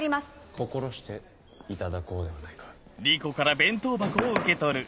心していただこうではないか。